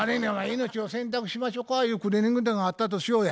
「命を洗濯しましょか」いうクリーニング店があったとしようや。